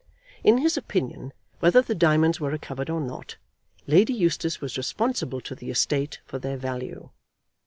In his opinion, whether the diamonds were recovered or not, Lady Eustace was responsible to the estate for their value.